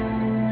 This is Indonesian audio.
aku mau pergi